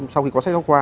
sau khi có sách học khoa